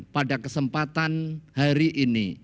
pada kesempatan hari ini